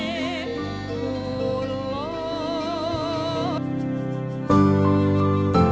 syaikh turut melihat yang itu